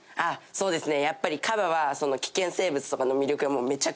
そうですね。